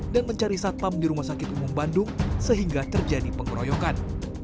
dan mencari satpam di rumah sakit umum bandung sehingga terjadi pengeroyokan